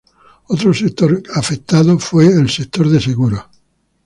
Otro sector que afectado fue el sector de seguros.